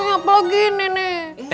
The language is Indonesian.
apa lagi ini nenek